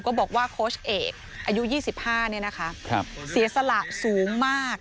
ก็บอกว่าโค้ชเอกอายุ๒๕เนี่ยนะคะเสียสละสูงมาก